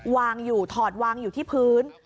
วางอยู่ถอดวางอยู่ที่พื้น